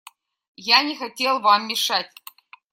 Я не хотел вам мешать.